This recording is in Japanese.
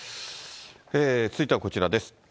続いてはこちらです。